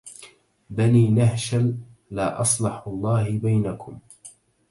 بني نهشل لا أصلح الله بينكم